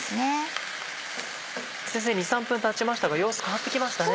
先生２３分たちましたが様子変わってきましたね。